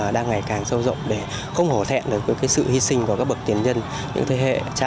đang ngày càng sâu rộng để không hổ thẹn được những sự hy sinh của các bậc tiền nhân những thế hệ cha